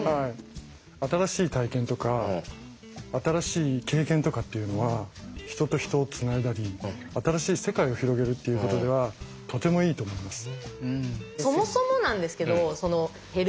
新しい体験とか新しい経験とかっていうのは人と人をつないだり新しい世界を広げるっていうことではとてもいいと思います。